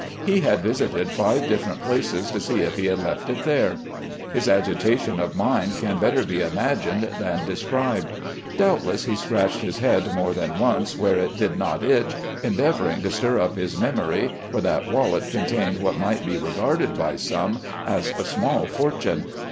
He had visited five different places to see if he had left it "there" His agitation of mind can better be imagined than described; doubtless he scratched his head more than once where it did not itch, endeavoring to stir up his memory, for that wallet contained what might be regarded by some as a small fortune.